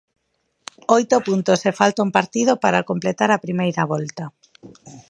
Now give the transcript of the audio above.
Oito puntos e falta un partido para completar a primeira volta.